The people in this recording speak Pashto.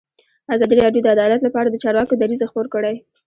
ازادي راډیو د عدالت لپاره د چارواکو دریځ خپور کړی.